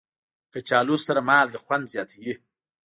کچالو سره مالګه خوند زیاتوي